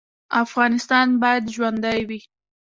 افغانستان باید ژوندی وي